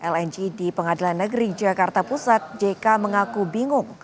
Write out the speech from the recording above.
lng di pengadilan negeri jakarta pusat jk mengaku bingung